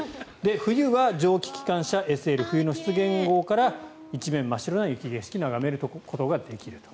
冬は蒸気機関車ＳＬ冬の湿原号から一面真っ白な雪景色を眺めることができると。